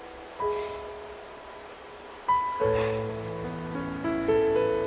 ที่ได้เงินเพื่อจะเก็บเงินมาสร้างบ้านให้ดีกว่า